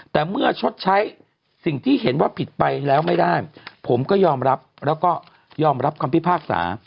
แต่เมื่อชดใช้สิ่งที่เห็นว่าผิดไปแล้วไม่ได้ผมก็ยอมรับแล้วก็ยอมรับคำพิพากษา